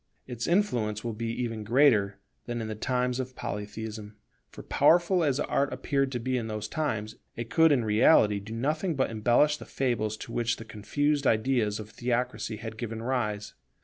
Its influence will be even greater than in the times of Polytheism; for powerful as Art appeared to be in those times, it could in reality do nothing but embellish the fables to which the confused ideas of theocracy had given rise.